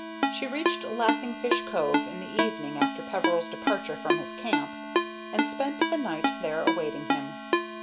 She reached Laughing Fish Cove in the evening after Peveril's departure from his camp, and spent the night there awaiting him.